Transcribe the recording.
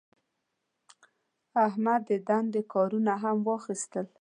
احمد د دندې کارونه هم واخیستل.